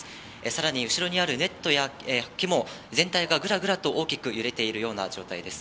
さらに後ろにあるネットや木も全体がぐらぐらと大きく揺れているような状態です。